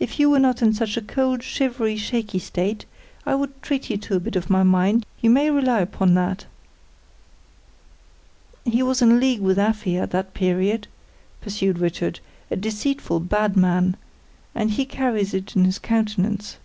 If you were not in such a cold, shivery, shaky state, I would treat you to a bit of my mind, you may rely upon that." "He was in league with Afy, at that period," pursued Richard; "a deceitful, bad man; and he carries it in his countenance.